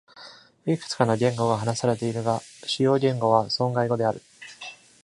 いくつかの言語が話されているが、主要言語はソンガイ語である。